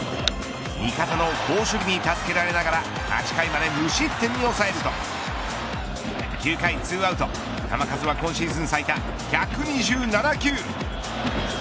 味方の好守備に助けられながら８回まで無失点に抑えると９回２アウト球数は今シーズン最多１２７球。